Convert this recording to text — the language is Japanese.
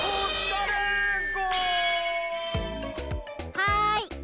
はい！